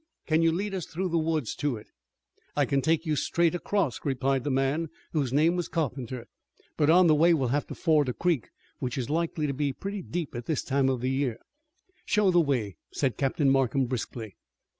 Can you lead us through these woods to it?" "I can take you straight across," replied the man whose name was Carpenter. "But on the way we'll have to ford a creek which is likely to be pretty deep at this time of the year." "Show the way," said Captain Markham briskly.